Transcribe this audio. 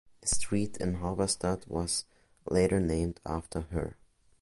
A street in Halberstadt was later named after her.